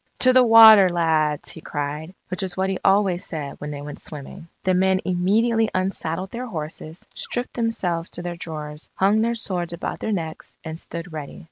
"To the water, lads!" he cried, which was what he always said when they went swimming. The men immediately unsaddled their horses, stripped themselves to their drawers, hung their swords about their necks, and stood ready.